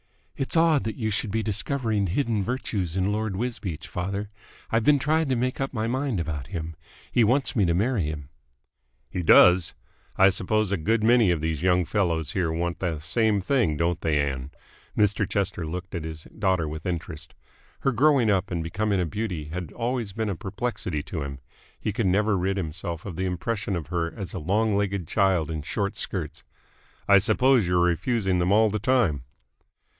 "It's odd that you should be discovering hidden virtues in Lord Wisbeach, father. I've been trying to make up my mind about him. He wants me to marry him." "He does! I suppose a good many of these young fellows here want the same thing, don't they, Ann?" Mr. Chester looked at his daughter with interest. Her growing up and becoming a beauty had always been a perplexity to him. He could never rid himself of the impression of her as a long legged child in short skirts. "I suppose you're refusing them all the time?"